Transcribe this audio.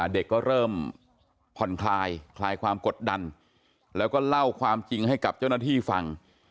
เด็กก็เริ่มผ่อนคลายคลายความกดดันแล้วก็เล่าความจริงให้กับเจ้าหน้าที่ฟัง